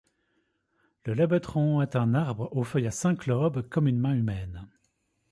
Le lebethron est un arbre aux feuilles à cinq lobes, comme une main humaine.